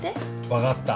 分かった。